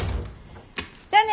じゃあね。